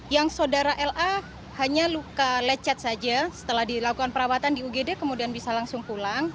yang saudara la hanya luka lecet saja setelah dilakukan perawatan di ugd kemudian bisa langsung pulang